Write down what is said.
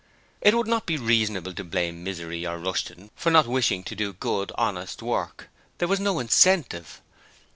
It would not be reasonable to blame Misery or Rushton for not wishing to do good, honest work there was no incentive.